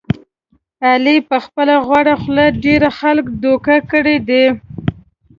علي په خپله غوړه خوله ډېر خلک دوکه کړي دي.